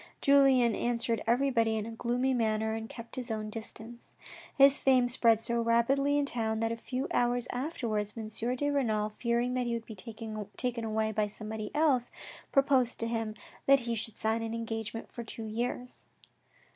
Julien answered everybody in a gloomy manner and kept his own distance. His fame spread so rapidly in the town that a few hours afterwards M. de Renal, fearing that he would be taken away by somebody else, proposed to hinr that he should sign an engagement for two years.